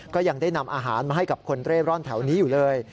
ก็ยังได้นำอาหารมาให้กับคนเร่ร่อนแถวนี้อยู่เลย